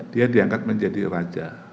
dia diangkat menjadi raja